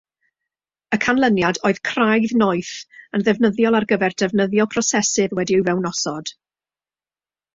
Y canlyniad oedd craidd "noeth", yn ddefnyddiol ar gyfer defnyddio prosesydd wedi'i fewnosod.